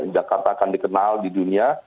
dan jakarta akan dikenal di dunia